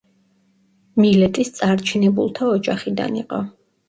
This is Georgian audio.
მილეტის წარჩინებულთა ოჯახიდან იყო.